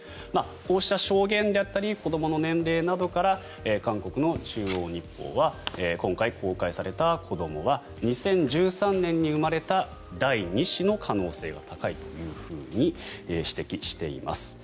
こうした証言であったり子どもの年齢などから韓国の中央日報は今回、公開された子どもは２０１３年に生まれた第２子の可能性が高いというふうに指摘しています。